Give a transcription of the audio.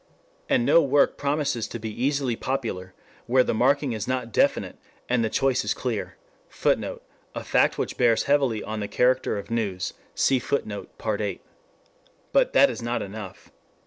And no work promises to be easily popular where the marking is not definite and the choice clear. [Footnote: A fact which bears heavily on the character of news. Cf. Part VII.] But that is not enough.